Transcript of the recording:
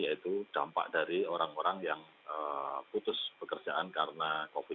yaitu dampak dari orang orang yang putus pekerjaan karena covid sembilan belas